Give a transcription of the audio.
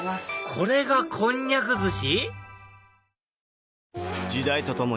これがこんにゃく寿司？